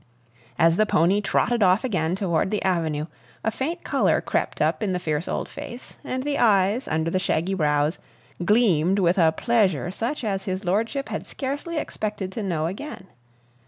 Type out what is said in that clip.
As the pony trotted off again toward the avenue, a faint color crept up in the fierce old face, and the eyes, under the shaggy brows, gleamed with a pleasure such as his lordship had scarcely expected to know again.